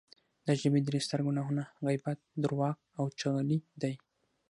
د ژبې درې ستر ګناهونه غیبت، درواغ او چغلي دی